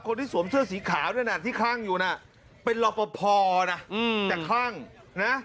คนที่สวมเสื้อสีขาด้วยน่ะที่คลั่งอยู่น่ะเป็นรอบพอร์นะอืมแต่คลั่งนะ